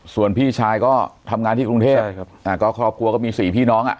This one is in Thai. ส่วนพี่ชายก็ทำงานที่กรุงเทพใช่ครับอ่าก็ครอบครัวก็มีสี่พี่น้องอ่ะ